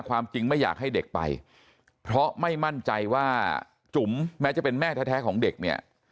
ความจริงไม่อยากให้เด็กไปเพราะไม่มั่นใจว่าจุ๋มแม้จะเป็นแม่แท้ของเด็กเนี่ย